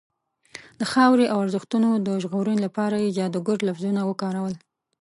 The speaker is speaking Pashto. د خاورې او ارزښتونو د ژغورنې لپاره یې جادوګر لفظونه وکارول.